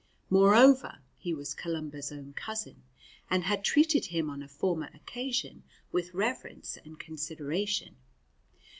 Moreover, he was Columba's own cousin, and had treated him on a former occasion with reverence and consideration.